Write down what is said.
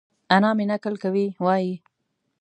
انا مې؛ نکل کوي وايي؛